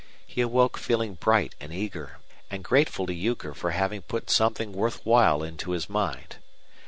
He awoke feeling bright and eager, and grateful to Euchre for having put something worth while into his mind.